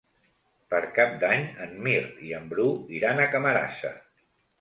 Per Cap d'Any en Mirt i en Bru iran a Camarasa.